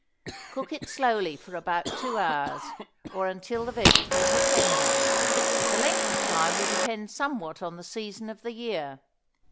Cook it slowly for about two hours, or until the vegetables are tender. The length of time will depend somewhat on the season of the year.